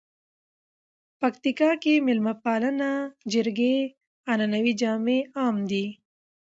پکتیکا کې مېلمه پالنه، جرګې، عنعنوي جامي عام دي.